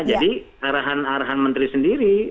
jadi arahan arahan menteri sendiri